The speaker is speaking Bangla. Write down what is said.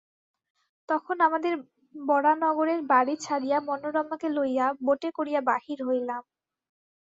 তখন আমাদের বরানগরের বাড়ি ছাড়িয়া মনোরমাকে লইয়া বোটে করিয়া বাহির হইলাম।